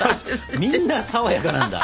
みんなさわやかなんだ。